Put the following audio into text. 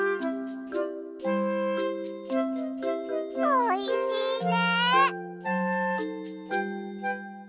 おいしいね！